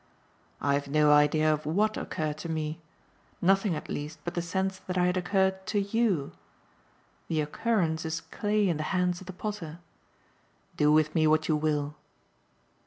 "I've no idea of what occurred to me nothing at least but the sense that I had occurred to YOU. The occurrence is clay in the hands of the potter. Do with me what you will."